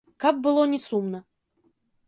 Каб было не сумна.